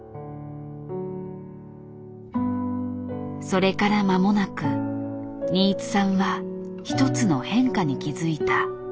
それから間もなく新津さんは一つの変化に気付いた。